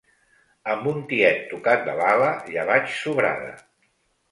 Amb un tiet tocat de l'ala ja vaig sobrada.